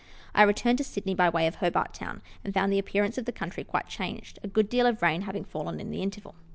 I returned to Sydney by way of Hobart Town, and found the appearance of the country quite changed, a good deal of rain having fallen in the interval.